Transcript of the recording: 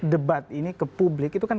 debat ini ke publik itu kan